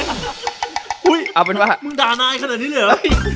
มึงด่านายขนาดนี่เลยเหรอ